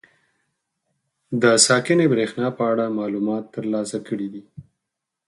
د ساکنې برېښنا په اړه معلومات تر لاسه کړي دي.